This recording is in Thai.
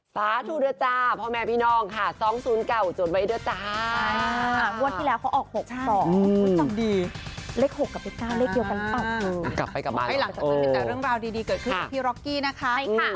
ข้าวดีเกิดขึ้นพี่ร็อกกี้นะคะ